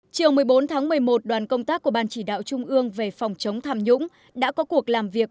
chiều một mươi bốn tháng một mươi một đoàn công tác của ban chỉ đạo trung ương về phòng chống tham nhũng đã có cuộc làm việc